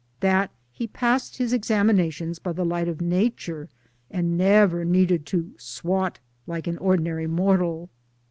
that he passed his examinations by the light of nature, and never needed to * swot ' like an ordinary mortal.